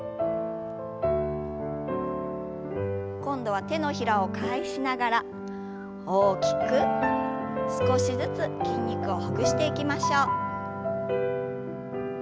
今度は手のひらを返しながら大きく少しずつ筋肉をほぐしていきましょう。